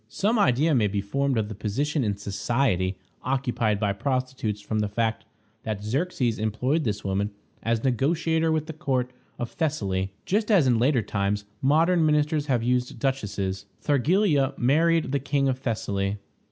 Some idea may be formed of the position in society occupied by prostitutes from the fact that Xerxes employed this woman as negotiator with the court of Thessaly, just as in later times modern ministers have used duchesses. Thargelia married the King of Thessaly.